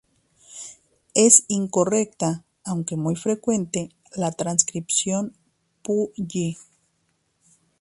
Es incorrecta, aunque muy frecuente, la transcripción "Pu Yi".